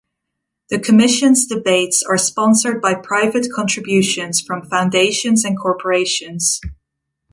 The Commission's debates are sponsored by private contributions from foundations and corporations.